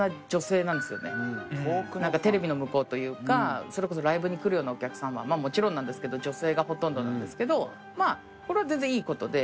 テレビの向こうというかライブに来るようなお客さんはもちろんなんですけど女性がほとんどなんですけどまぁこれは全然いいことで。